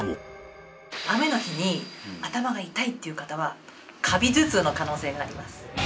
雨の日に頭が痛いっていう方はカビ頭痛の可能性があります。